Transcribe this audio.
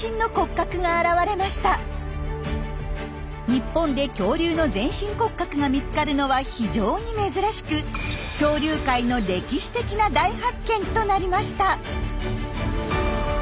日本で恐竜の全身骨格が見つかるのは非常に珍しく恐竜界の歴史的な大発見となりました。